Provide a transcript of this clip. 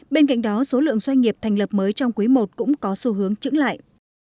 bên cạnh đó số lượng doanh nghiệp thành lập mới trong quý i cũng có xu hướng trứng lại